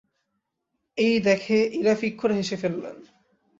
এই দেখে ইরা ফিক করে হেসে ফেললেন।